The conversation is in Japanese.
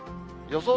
予想